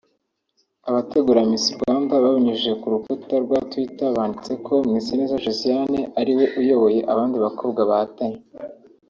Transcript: Abategura Miss Rwanda babinyujije ku rukuta rwa Twitter banditse ko Mwiseneza Josiane ariwe uyoboye abandi bakobwa bahatanye